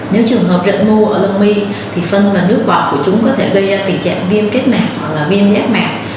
nếu trường hợp rận mưu ở lông mi phân và nước bọc của chúng có thể gây ra tình trạng viêm kết mạc hoặc viêm giác mạc